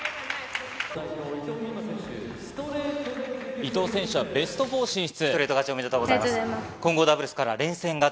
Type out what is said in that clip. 伊藤選手はベスト４進出。